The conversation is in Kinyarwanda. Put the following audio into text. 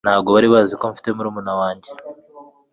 ntago bari bazi ko mfite murumuna wanjye